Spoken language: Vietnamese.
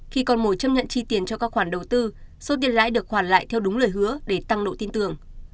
khi con mồi chấp nhận chi tiền cho các khoản đầu tư số tiền lãi được hoàn lại theo đúng lời hứa để tăng độ tin tưởng